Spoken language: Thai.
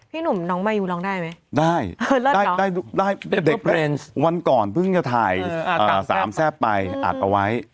พี่หนุ่มน้องมายูร้องได้ไหมได้วันก่อนเพิ่งจะถ่าย๓แทรฟไปอาจเอาไว้